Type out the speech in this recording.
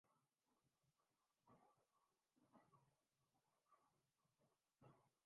حسن میانہ روی میں ہے اور ہمیں آج اسی کی تلاش ہے۔